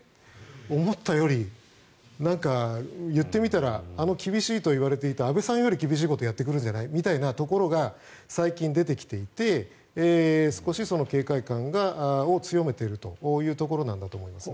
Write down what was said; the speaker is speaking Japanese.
思ったより言ってみたらあの厳しいといわれていた安倍さんより厳しいことやってくるんじゃないみたいなところが最近出てきていて少し警戒感を強めているというところなんだと思いますね。